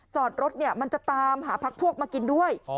จอดรถเนี่ยมันจะตามหาภักด์พวกมากินด้วย